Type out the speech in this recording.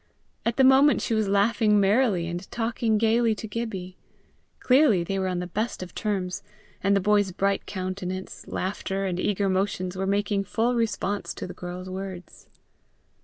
At the moment she was laughing merrily, and talking gaily to Gibbie. Clearly they were on the best of terms, and the boy's bright countenance, laughter, and eager motions, were making full response to the girl's words.